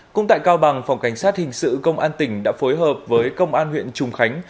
cũng tại cao bằng phòng cảnh sát hình sự công an tỉnh đã phối hợp với công an huyện trùng khánh